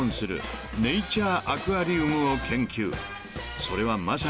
［それはまさに］